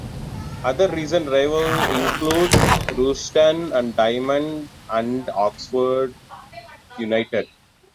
Other recent rivals include Rushden and Diamonds and Oxford United.